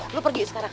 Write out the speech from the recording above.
lo pergi sekarang